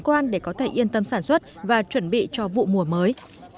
quan để có thể yên tâm sản xuất và chuẩn bị cho vụ mùa mới